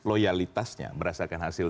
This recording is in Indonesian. loyalitasnya berdasarkan hasil